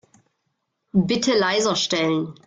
Bitte leiser stellen.